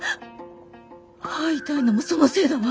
歯痛いのもそのせいだわ。